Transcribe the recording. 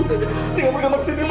saya nggak mau ke kamar sini ibu